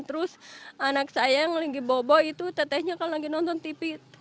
terus anak saya yang lagi bobo itu tetehnya kalau lagi nonton tv